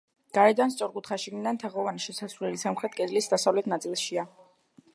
გარედან სწორკუთხა, შიგნიდან თაღოვანი შესასვლელი სამხრეთ კედლის დასავლეთ ნაწილშია.